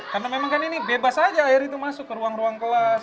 karena memang kan ini bebas aja air itu masuk ke ruang ruang kelas